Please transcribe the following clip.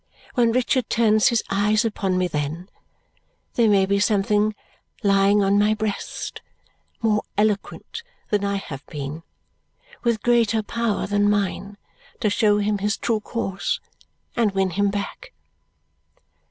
When Richard turns his eyes upon me then, there may be something lying on my breast more eloquent than I have been, with greater power than mine to show him his true course and win him back."